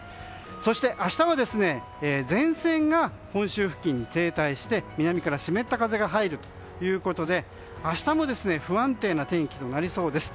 そして、明日も前線が本州付近に停滞して南から湿った風が入るということで明日も不安定な天気となりそうです。